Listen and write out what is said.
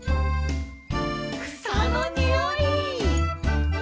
「草のにおい」